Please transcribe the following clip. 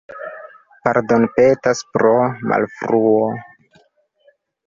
Pardonpetas pro malfruo.